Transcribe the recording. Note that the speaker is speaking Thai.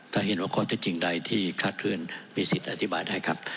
ถ้าเห็นว่าข้อเท็จจริงใดที่คลาดเคลื่อนมีสิทธิ์อธิบายได้ครับ